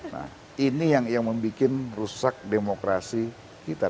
nah ini yang membuat rusak demokrasi kita